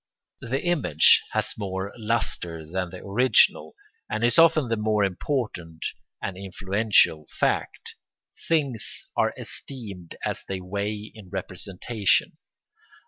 The image has more lustre than the original, and is often the more important and influential fact. Things are esteemed as they weigh in representation.